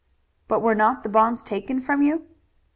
"But were not the bonds taken from you?"